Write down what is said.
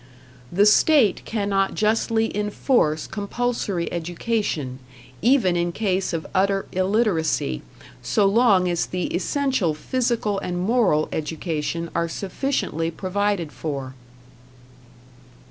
The state cannot justly enforce compulsory education, even in case of utter illiteracy, so long as the essential physical and moral education are sufficiently provided for.